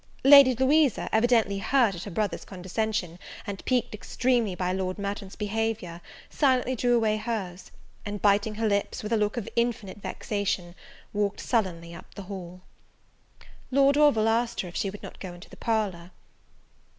Lady Louisa, evidently hurt at her brother's condescension, and piqued extremely by Lord Merton's behaviour, silently drew away hers; and biting her lips, with a look of infinite vexation, walked sullenly up the hall. Lord Orville asked her if she would not go into the parlour?